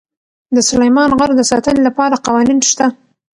د سلیمان غر د ساتنې لپاره قوانین شته.